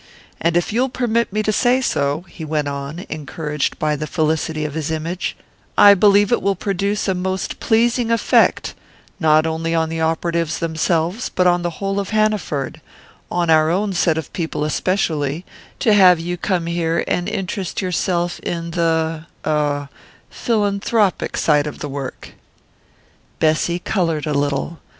And if you'll permit me to say so," he went on, encouraged by the felicity of his image, "I believe it will produce a most pleasing effect not only on the operatives themselves, but on the whole of Hanaford on our own set of people especially to have you come here and interest yourself in the er philanthropic side of the work." Bessy coloured a little.